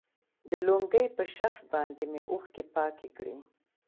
د لونګۍ په شف باندې مې اوښكې پاكې كړي.